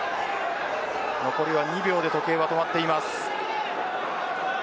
残りは２秒で時計が止まっています。